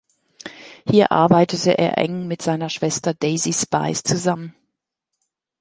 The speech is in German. Hier arbeitete er eng mit seiner Schwester Daisy Spies zusammen.